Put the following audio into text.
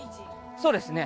そうですね。